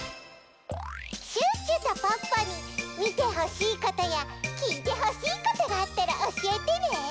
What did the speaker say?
シュッシュとポッポにみてほしいことやきいてほしいことがあったらおしえてね！